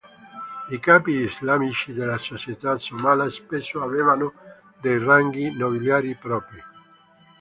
I capi islamici della società somala spesso avevano dei ranghi nobiliari propri.